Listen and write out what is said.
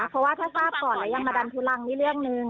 เพราะว่าถ้าทราบก่อนแล้วยังมาดันทุลังนี่เรื่องหนึ่ง